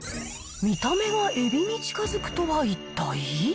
見た目はエビに近づくとは一体？